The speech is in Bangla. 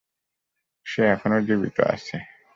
সে এখনও জীবিত আছে।